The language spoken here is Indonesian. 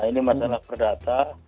ini masalah perdata